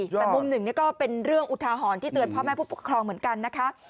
แต่มุมหนึ่งก็เป็นเรื่องอุทาหรณ์ที่เตือนพ่อแม่ผู้ปกครองเหมือนกันนะคะ